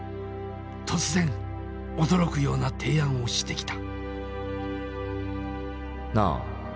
突然驚くような提案をしてきた。